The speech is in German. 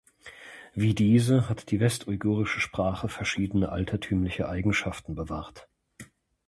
Wie diese hat die west-yugurische Sprache verschiedene altertümliche Eigenschaften bewahrt.